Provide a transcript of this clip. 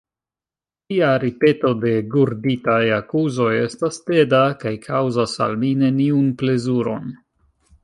Tia ripeto de gurditaj akuzoj estas teda, kaj kaŭzas al mi neniun plezuron.